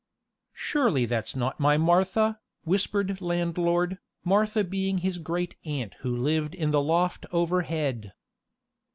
"Surely that's not my Martha," whispered landlord, Martha being his great aunt who lived in the loft overhead.